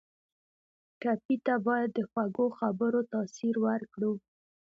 ټپي ته باید د خوږو خبرو تاثیر ورکړو.